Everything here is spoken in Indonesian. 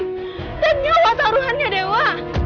dan nyawa taruhannya dewa